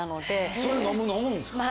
それ飲むんですか？